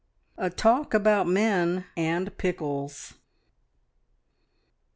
A TALK ABOUT MEN AND PICKLES.